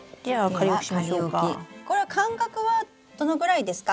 これは間隔はどのぐらいですか？